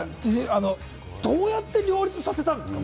どうやって両立させたんですか？